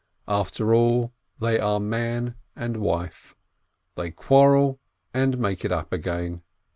After all they are man and wife. They quarrel and make it up again.